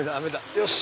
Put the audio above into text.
よし！